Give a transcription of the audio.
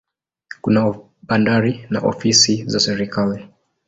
Kuna bandari na ofisi za serikali.